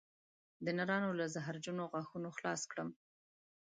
د نرانو له زهرجنو غاښونو خلاص کړم